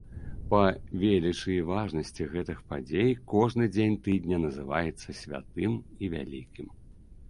Па велічы і важнасці гэтых падзей кожны дзень тыдня называецца святым і вялікім.